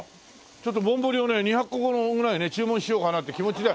ちょっとぼんぼりをね２００個ぐらいね注文しようかなって気持ちで。